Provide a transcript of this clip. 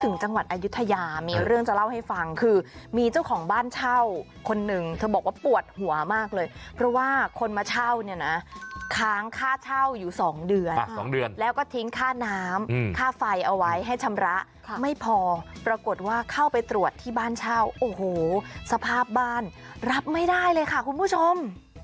จังหวัดอายุทยามีเรื่องจะเล่าให้ฟังคือมีเจ้าของบ้านเช่าคนหนึ่งเธอบอกว่าปวดหัวมากเลยเพราะว่าคนมาเช่าเนี่ยนะค้างค่าเช่าอยู่๒เดือน๒เดือนแล้วก็ทิ้งค่าน้ำค่าไฟเอาไว้ให้ชำระไม่พอปรากฏว่าเข้าไปตรวจที่บ้านเช่าโอ้โหสภาพบ้านรับไม่ได้เลยค่ะคุณผู้ชม